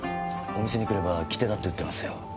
お店に来れば切手だって売ってますよ。